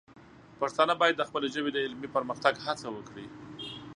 پښتانه باید د خپلې ژبې د علمي پرمختګ هڅه وکړي.